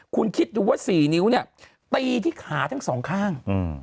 คุณคิดดูว่า๔นิ้วเนี่ยตีที่ขาทั้งสองข้าง